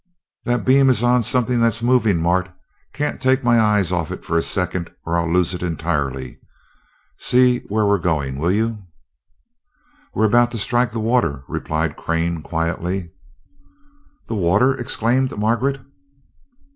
"This beam is on something that's moving, Mart can't take my eyes off it for a second or I'll lose it entirely. See where we're going, will you?" "We are about to strike the water," replied Crane quietly. "The water!" exclaimed Margaret.